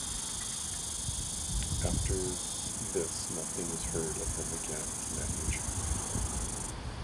After this nothing is heard of them again in that region.